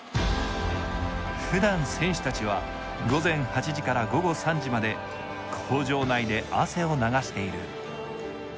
ふだん選手たちは午前８時から午後３時まで工場内で汗を流している。